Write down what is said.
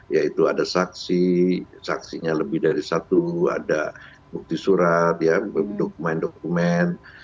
yaitu ada saksi saksinya lebih dari satu ada bukti surat dokumen dokumen